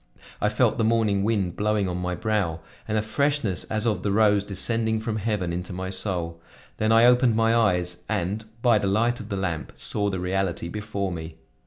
I felt the morning wind blowing on my brow and a freshness as of the rose descending from heaven into my soul. Then I opened my eyes and, by the light of the lamp, saw the reality before me.